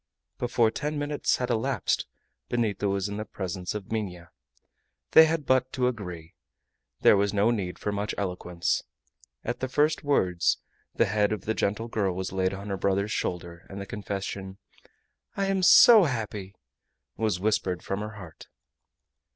Before ten minutes had elapsed Benito was in the presence of Minha. They had but to agree; there was no need for much eloquence. At the first words the head of the gentle girl was laid on her brother's shoulder, and the confession, "I am so happy!" was whispered from her heart.